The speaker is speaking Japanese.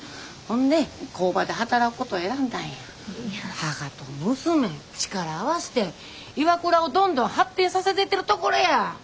母と娘力合わしてＩＷＡＫＵＲＡをどんどん発展させてってるところや。